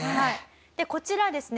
でこちらですね